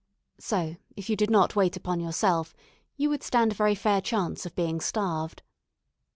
So if you did not wait upon yourself, you would stand a very fair chance of being starved.